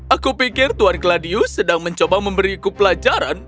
aku pikir tuan gladius sedang mencoba memberiku pelajaran